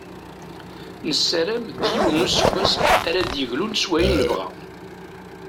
Nessaram d yiwen n useggas ara d-yeglun s wayen nebɣa.